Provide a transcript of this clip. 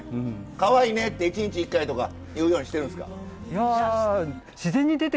「かわいいね」って１日１回とか言うようにしてるんですか？